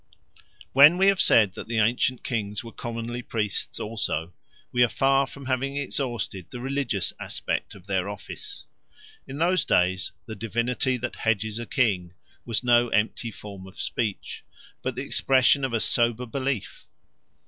When we have said that the ancient kings were commonly priests also, we are far from having exhausted the religious aspect of their office. In those days the divinity that hedges a king was no empty form of speech, but the expression of a sober belief.